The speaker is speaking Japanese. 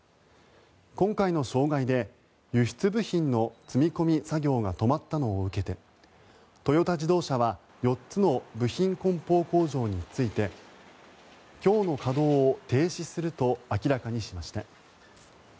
今回の障害で輸出部品の積み込み作業が止まったのを受けてトヨタ自動車は４つの部品梱包工場について今日の稼働を停止すると明らかにしました。